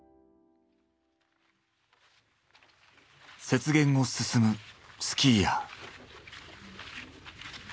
雪原を進むスキーヤー。